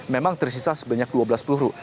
memang tersisa sebanyak dua belas peluru